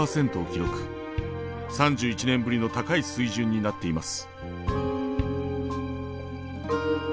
３１年ぶりの高い水準になっています。